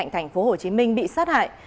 hạnh thành phố hồ chí minh bị sát hại